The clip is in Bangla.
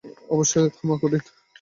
অবশ্যই, তবে থামা কঠিন।